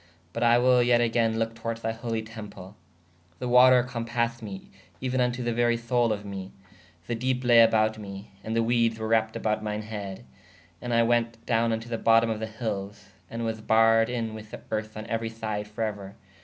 But I will yet agayne loke towarde thy holy temple. The water cōpased me euē vn to the very soule of me: the depe laye aboute me: ād the wedes were wrappte aboude myne heed. And I wēt downe vn to the botome of the hylles/ and was barredin with erth on euery syde for euer.